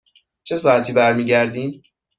چه ساعتی برمی گردیم؟